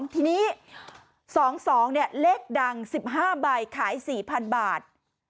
ทีนี้๒๒เลขดัง๑๕ใบขาย๔๐๐๐บาท